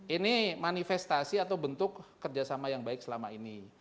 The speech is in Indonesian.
ini manifestasi atau bentuk kerjasama yang baik selama ini